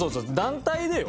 団体でよ。